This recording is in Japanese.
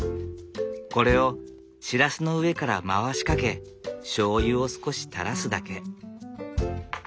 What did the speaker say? これをシラスの上から回しかけしょうゆを少したらすだけ。